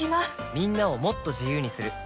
みんなをもっと自由にする「三菱冷蔵庫」